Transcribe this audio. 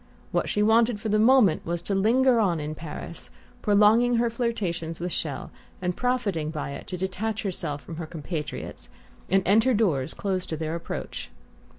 What she wanted for the moment was to linger on in Paris, prolonging her flirtation with Chelles, and profiting by it to detach herself from her compatriots and enter doors closed to their approach.